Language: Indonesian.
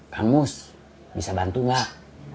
kang mus bisa bantu gak